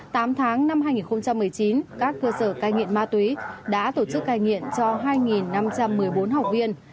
tám tháng năm hai nghìn một mươi chín các cơ sở cai nghiện ma túy đã tổ chức cai nghiện cho hai năm trăm một mươi bốn học viên